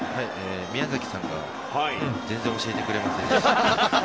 宮崎さんが全然、教えてくれませんでした。